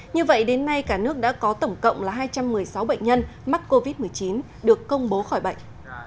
như vậy đến nay cả nước đã có tổng cộng là hai trăm một mươi sáu bệnh nhân mắc covid một mươi chín được công bố khỏi bệnh